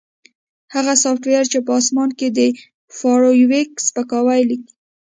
هغه سافټویر چې په اسمان کې د فارویک سپکاوی لیکي